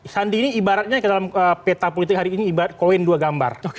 sandi ini ibaratnya dalam peta politik hari ini ibarat koin dua gambar